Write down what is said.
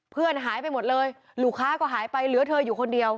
เพื่อนหายไปหมดเลยลูกค้าก็หายไปเหลือเธออยู่คนเดียว